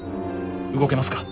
動けますか？